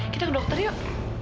kita ke dokter yuk